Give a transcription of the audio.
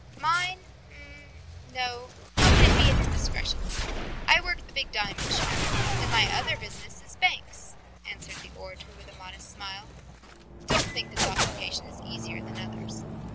"Mine... H'm... No, how could it be an indiscretion?... I work the big diamond shops ... and my other business is banks," answered the orator with a modest smile. "Don't think this occupation is easier than others.